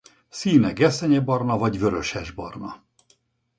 Színe gesztenyebarna vagy vörösesbarna.